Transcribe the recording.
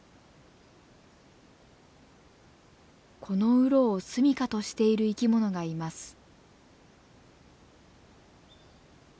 この洞をすみかとしている生き物がいます。